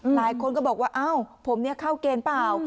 หลายคนก็บอกว่าผมนี้เข้าเกณฑ์เปล่า